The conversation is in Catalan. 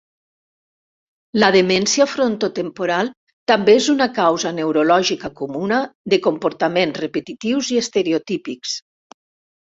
La demència frontotemporal també és una causa neurològica comuna de comportaments repetitius i estereotípics.